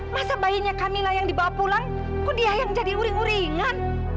masa bayinya kamilah yang dibawa pulang kok dia yang jadi uring uringan